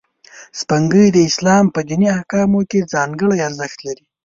سپوږمۍ د اسلام په دیني احکامو کې ځانګړی ارزښت لري